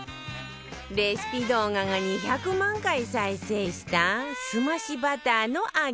レシピ動画が２００万回再生した澄ましバターの揚げパン